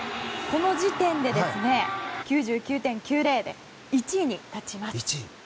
この時点で９９．９０で１位に立ちます。